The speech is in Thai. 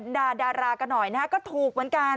ดาดารากันหน่อยนะฮะก็ถูกเหมือนกัน